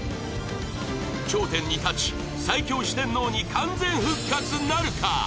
頂点に立ち最強四天王に完全復活なるか？